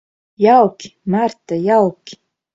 Jauki, Marta, jauki.